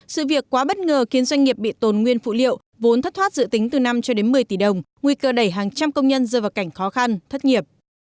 sự việc quá bất ngờ khiến doanh nghiệp bị tồn nguyên phụ liệu vốn thất thoát dự tính từ năm cho đến một mươi tỷ đồng nguy cơ đẩy hàng trăm công nhân dơ vào cảnh khó khăn thất nghiệp